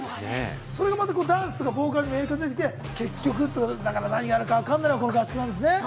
それがまたダンスとかボーカルにも影響出てきて、結局って何があるかわからないのがこの合宿なんですよね。